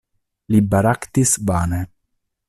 Li baraktis vane.